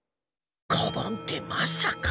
かばんってまさか。